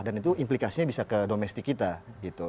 dan itu implikasinya bisa ke domestik kita gitu